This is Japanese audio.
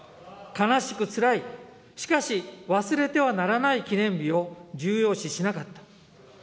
悲しくつらい、しかし忘れてはならない記念日を重要視しなかった。